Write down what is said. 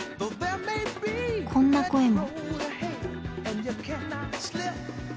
こんな声も。